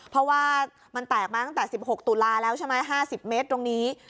เพราะว่ามันแตกมาตั้งแต่๑๖ตุลาแล้วใช่ไหม๕๐เมตรตรงนี้